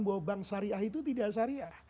bahwa bank syariah itu tidak syariah